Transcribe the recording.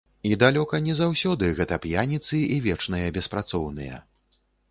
І далёка не заўсёды гэта п'яніцы і вечныя беспрацоўныя.